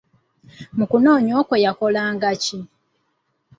Mu kunoonya okwo yakolanga ki?